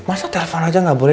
masa telfon aja gak boleh